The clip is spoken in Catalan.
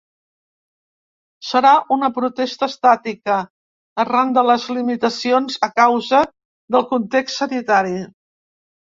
Serà una protesta estàtica, arran de les limitacions a causa del context sanitari.